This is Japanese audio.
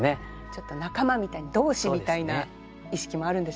ちょっと仲間みたいに同志みたいな意識もあるんでしょうかね。